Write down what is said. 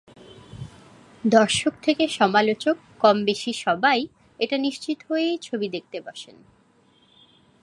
দর্শক থেকে সমালোচক কমবেশি সবাই এটা নিশ্চিত হয়েই ছবি দেখতে বসেন।